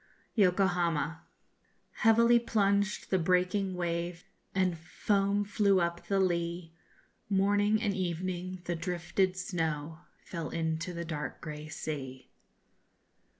YOKOHAMA. Heavily plunged the breaking wave, And foam flew up the lea, Morning and evening the drifted snow _Fell into the dark grey sea.